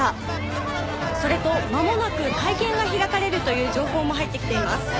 それとまもなく会見が開かれるという情報も入ってきています。